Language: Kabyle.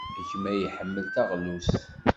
Gma iḥemmel taɣlust.